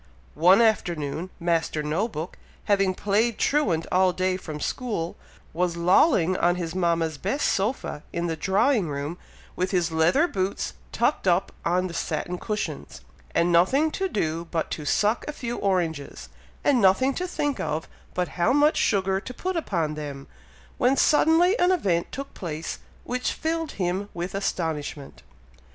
One afternoon, Master No book, having played truant all day from school, was lolling on his mama's best sofa in the drawing room, with his leather boots tucked up on the satin cushions, and nothing to do but to suck a few oranges, and nothing to think of but how much sugar to put upon them, when suddenly an event took place which filled him with astonishment.